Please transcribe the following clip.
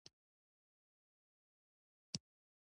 ډېره برخه یې په توده منطقه کې پرته ده.